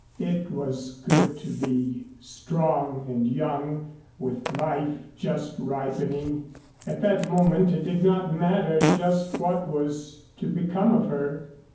It was good to be strong and young, with life just ripening. At that moment it did not matter just what was to become of her.